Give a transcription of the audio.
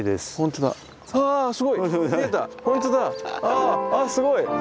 あすごい。